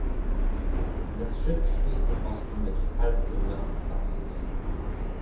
Das Schiff schließt im Osten mit halbrunder Apsis.